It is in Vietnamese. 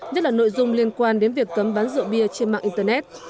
nhất là nội dung liên quan đến việc cấm bán rượu bia trên mạng internet